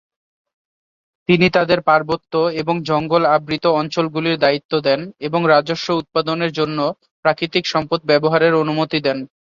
তিনি তাদের পার্বত্য এবং জঙ্গল আবৃত অঞ্চল গুলির দায়িত্ব দেন এবং রাজস্ব উৎপাদনের জন্য প্রাকৃতিক সম্পদ ব্যবহারের অনুমতি দেন।